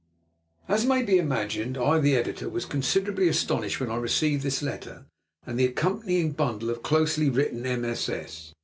As may be imagined, I, the Editor, was considerably astonished when I received this letter and the accompanying bundle of closely written MSS.